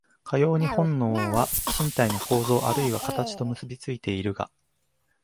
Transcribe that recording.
かように本能は身体の構造あるいは形と結び付いているが、